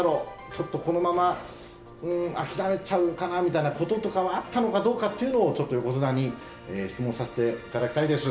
ちょっとこのまま、うーん諦めちゃうかなみたいなというのはあったのかどうかということをちょっと横綱に質問させていただきたいです。